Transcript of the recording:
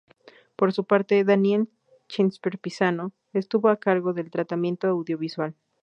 Por su parte, Daniel Samper Pizano estuvo a cargo del tratamiento audiovisual.